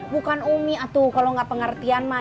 bukan umi atuh kalo gak pengertian mah